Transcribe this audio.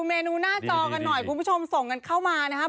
เมนูหน้าจอกันหน่อยคุณผู้ชมส่งกันเข้ามานะครับ